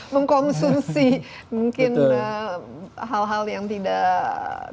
mengkonsumsi mungkin hal hal yang tidak